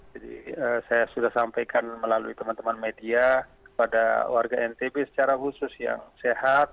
jadi saya sudah sampaikan melalui teman teman media pada warga ntb secara khusus yang sehat